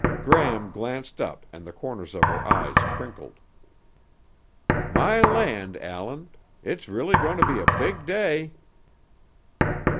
Gram glanced up and the corners of her eyes crinkled. "My land, Allan. It's really going to be a big day."